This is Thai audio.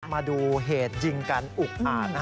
มาดูเหตุจริงการอุกอ่าน